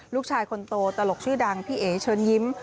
ลูกชายคนโตตลกชื่อดังพี่เอ๋เชิญยิ้ม